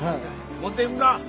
持っていくか？